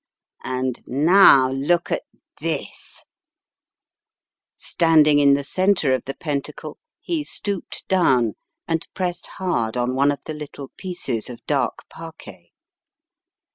And now look at this " Standing in the centre of the pentacle he stooped down and pressed hard on one of the little pieces of dark parquet.